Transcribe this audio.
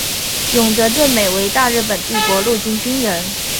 永泽正美为大日本帝国陆军军人。